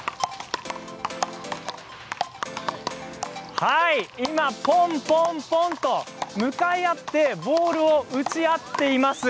はい今、ポンポンと向かい合ってボールを打ち合っています。